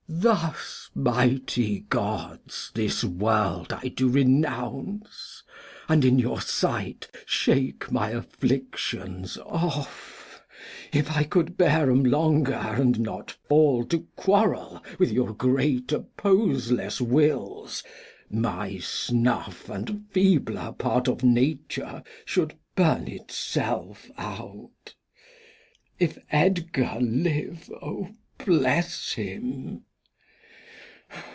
Thus, mighty Gods, this World I do renounce, And in your Sight shake my Afflictions off ; If I cou'd bear 'em longer, and not fall To quarrel with your great opposeless WiUs, My Snuff and feebler Part of Nature shou'd Act iv] King Lear 231 Burn itself out ; if Edgar liv'd, 0, bless him.